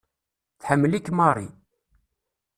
Tḥemmel-ik Mary.